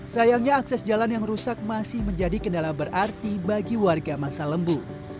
sayangnya akses jalan yang rusak masih menjadi kendala berarti bagi warga masa lembu